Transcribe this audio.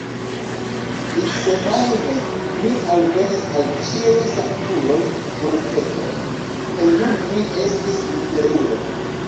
Trisemajne mi alvenis al Ĉiuj Sanktuloj Golfeto, kaj nun mi estis liberulo.